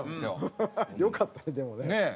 よかったでもね。